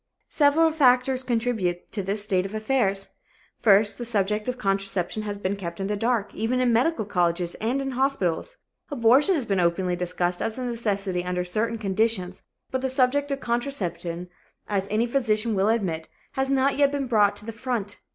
Several factors contribute to this state of affairs. First, the subject of contraception has been kept in the dark, even in medical colleges and in hospitals. Abortion has been openly discussed as a necessity under certain conditions, but the subject of contraception, as any physician will admit, has not yet been brought to the front.